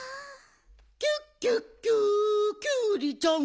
「キュッキュッキュキュウリちゃん」